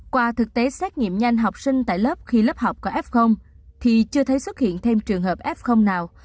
qua thực tế xét nghiệm nhanh học sinh tại lớp khi lớp học có f thì chưa thấy xuất hiện thêm trường hợp f nào